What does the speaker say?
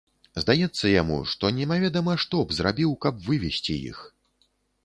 Здаецца яму, што немаведама што б зрабіў, каб вывесці іх.